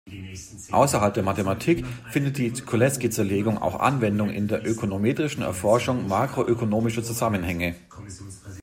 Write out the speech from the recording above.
Außerhalb der Mathematik findet die Cholesky-Zerlegung auch Anwendung in der ökonometrischen Erforschung makroökonomischer Zusammenhänge.